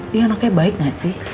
dia anaknya baik gak sih